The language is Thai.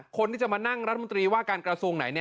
คนที่จะมานั่งรัฐมนตรีว่าการกระทรวงไหน